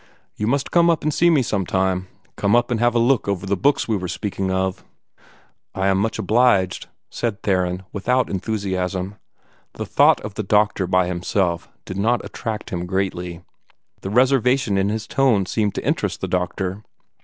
You must come up and see me some time; come up and have a look over the books we were speaking of." "I am much obliged," said Theron, without enthusiasm. The thought of the doctor by himself did not attract him greatly. The reservation in his tone seemed to interest the doctor.